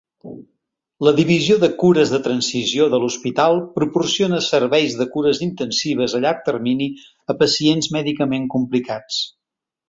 La divisió de Cures de Transició de l'hospital proporciona serveis de cures intensives a llarg termini a pacients mèdicament complicats.